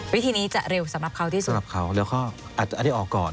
วิธีนี้จะเร็วสำหรับเขาที่สุดสำหรับเขาแล้วก็อันนี้ออกก่อน